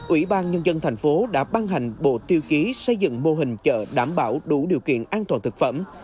ủy ban nhân dân thành phố đã ban hành bộ tiêu chí xây dựng mô hình chợ đảm bảo đủ điều kiện an toàn thực phẩm